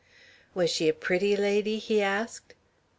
"Was she a pretty lady?" he asked.